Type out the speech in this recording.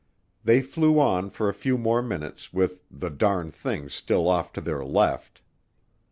They flew on for a few more minutes with "the darn thing" still off to their left.